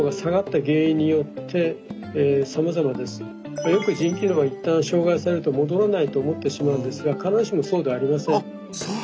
これはあのよく腎機能は一旦障害されると戻らないと思ってしまうんですが必ずしもそうではありません。